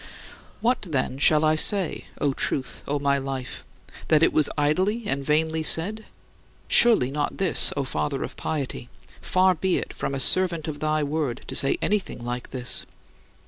36. What, then, shall I say, O Truth, O my Life: that it was idly and vainly said? Surely not this, O Father of piety; far be it from a servant of thy Word to say anything like this!